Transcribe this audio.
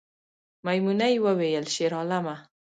میمونۍ وویل شیرعالمه